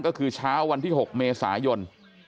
ก็คือเช้าวันที่๖เมษายน